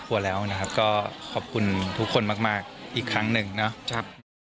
ก็ขอบคุณทุกคนมากอีกครั้งหนึ่งนะครับ